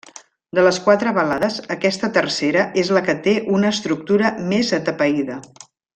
De les quatre balades, aquesta tercera és la que té una estructura més atapeïda.